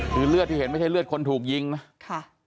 คือเลือดที่เห็นไม่ใช่เลือดคนถูกยิงนะค่ะ